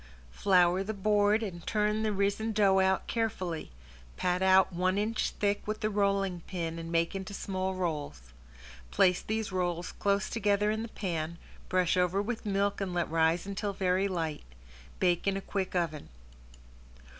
Flour the board and turn the risen dough out carefully, pat out one inch thick with the rolling pin and make into small rolls. Place these rolls close together in the pan, brush over with milk and let rise until very light. Bake in a quick oven.